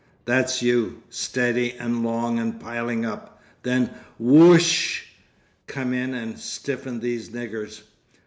That's you, steady and long and piling up,—then, wo oo oo oo osh. Come in and stiffen these niggers.